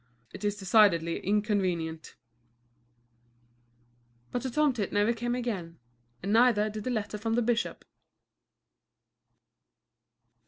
It is decidedly inconvenient." But the tomtit never came again and neither did the letter from the bishop!